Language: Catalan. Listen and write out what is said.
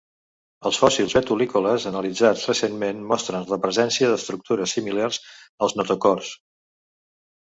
Els fòssils vetulícoles analitzats recentment mostren la presència d'estructures similars als notocords.